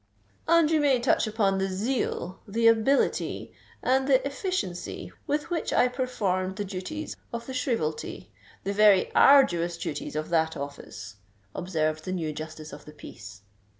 "And you may touch upon the zeal—the ability—and the efficiency with which I performed the duties of the shrievalty—the very arduous duties of that office," observed the new Justice of the Peace.